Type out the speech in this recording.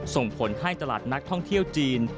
ส่งผลให้ตลาดนักท่องเที่ยวจีน